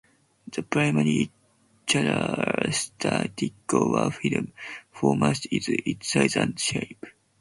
The primary characteristic of a film format is its size and shape.